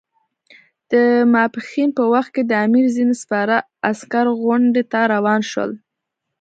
د ماپښین په وخت کې د امیر ځینې سپاره عسکر غونډۍ ته روان شول.